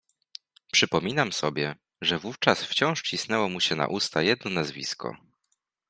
"Przypominam sobie, że wówczas wciąż cisnęło mu się na usta jedno nazwisko."